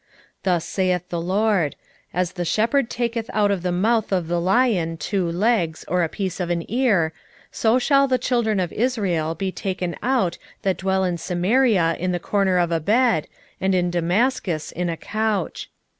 3:12 Thus saith the LORD; As the shepherd taketh out of the mouth of the lion two legs, or a piece of an ear; so shall the children of Israel be taken out that dwell in Samaria in the corner of a bed, and in Damascus in a couch.